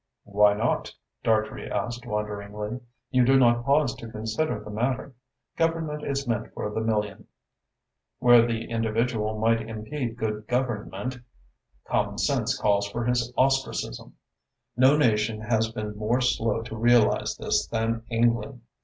"Why not?" Dartrey asked wonderingly. "You do not pause to consider the matter. Government is meant for the million. Where the individual might impede good government, common sense calls for his ostracism. No nation has been more slow to realise this than England.